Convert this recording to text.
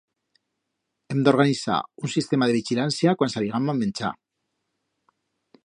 Hem d'organizar un sistema de vichilancia cuan sallgam a menchar.